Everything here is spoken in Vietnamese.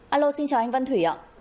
alo xin chào anh văn thủy ạ